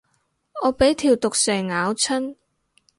我俾條毒蛇咬親